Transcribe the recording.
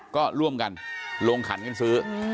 ก็ร่วมกันลงขันกันซื้อ